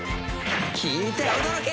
聞いて驚け！